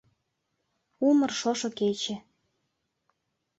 Умыр шошо кече.